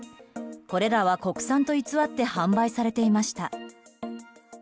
これらは国産と偽って販売されていました。